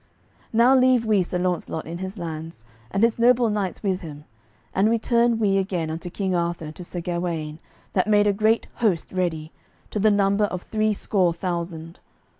Now leave we Sir Launcelot in his lands, and his noble knights with him, and return we again unto King Arthur and to Sir Gawaine, that made a great host ready, to the number of three score thousand.